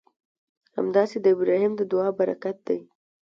همداسې د ابراهیم د دعا برکت دی.